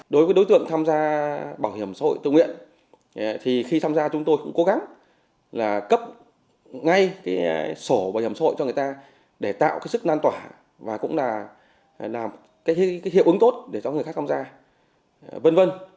đối tượng tham gia bảo hiểm xã hội tự nguyện thì khi tham gia chúng tôi cũng cố gắng là cấp ngay cái sổ bảo hiểm xã hội cho người ta để tạo cái sức nan tỏa và cũng là làm cái hiệu ứng tốt để cho người khác tham gia v v